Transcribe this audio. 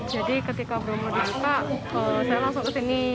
jadi ketika bromo dibuka saya langsung ke sini